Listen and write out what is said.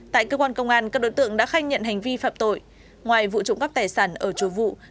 tại cơ quan công an các đối tượng đã khai nhận hành vi phạm tội ngoài vụ trộm cắp tài sản ở chùa vụ